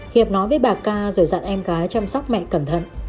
hiệp nói với bà ca rồi dặn em gái chăm sóc mẹ cẩn thận